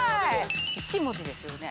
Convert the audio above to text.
１文字ですよね？